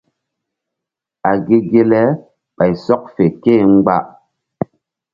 A ge ge le ɓay sɔk fe ké e mgba.